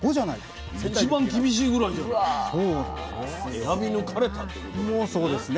選び抜かれたっていうことなんですね。